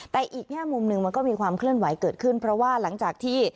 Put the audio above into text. แต่อีกแง่มุมหนึ่งมันก็มีความเคลื่อนไหวเกิดขึ้นเพราะว่าหลังจากที่